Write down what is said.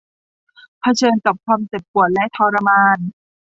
เผชิญกับความเจ็บปวดและทรมาน